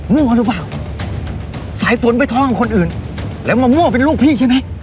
หรือเปล่าสายฝนไปท้องกับคนอื่นแล้วมามั่วเป็นลูกพี่ใช่ไหม